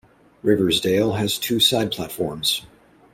Riversdale has two side platforms.